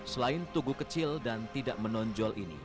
selain tugu kecil dan tidak menonjol ini